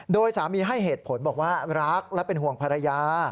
โดยสามีให้เหตุผลบอกว่ารักและเป็นห่วงภรรยา